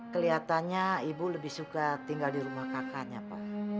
kelihatannya ibu lebih suka tinggal di rumah kakaknya pak